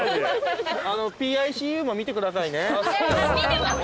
『ＰＩＣＵ』も見てくださいね。